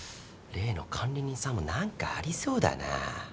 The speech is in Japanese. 例の管理人さんもなんかありそうだな。